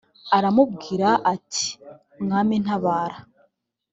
aramubwira ati mwami ntabara